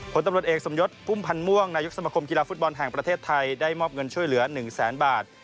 ผลตำรวจเอกสมยศพุ่มพันธ์ม่วงนายกสมคมกีฬาฟุตบอลแห่งประเทศไทยได้มอบเงินช่วยเหลือ๑แสนบาท